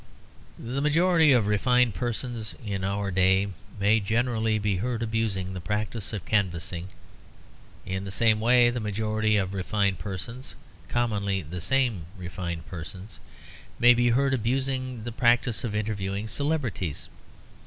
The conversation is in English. The majority of refined persons in our day may generally be heard abusing the practice of canvassing. In the same way the majority of refined persons (commonly the same refined persons) may be heard abusing the practice of interviewing celebrities.